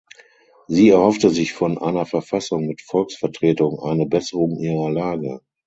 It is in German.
Sie erhoffte sich von einer Verfassung mit Volksvertretung eine Besserung ihrer Lage.